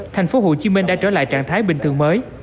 thành phố hồ chí minh đã trở lại trạng thái bình thường mới